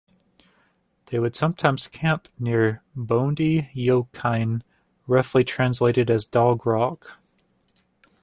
They would sometimes camp near "Boondie Yokine" - roughly translated as Dog Rock.